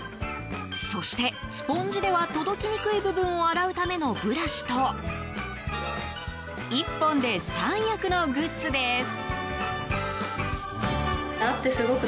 そしてスポンジでは届きにくい部分を洗うためのブラシと１本で３役のグッズです。